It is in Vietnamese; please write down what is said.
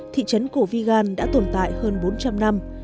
thị trấn cổ vigan đã tồn tại hơn bốn trăm linh năm